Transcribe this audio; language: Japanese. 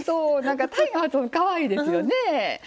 タイの発音かわいいですよね。